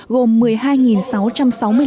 gồm một mươi hai sáu trăm sáu mươi sáu lịch sử